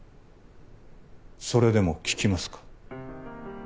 それでも聞きますか？